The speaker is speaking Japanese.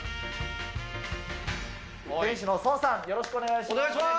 店主のソンさん、よろしくおお願いします。